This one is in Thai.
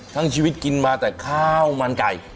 กินชีวิตมาแต่ข้าวมันไก่